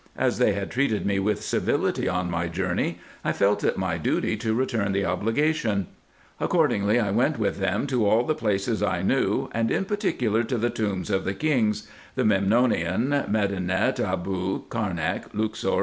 As they had treated me with civility on my journey, I felt it my duty to return the obligation. Accordingly I went with them to all the places I knew, and in particular to the tombs of the kings, the Memnonium, Medinet Abou, Carnak, Luxor, &c.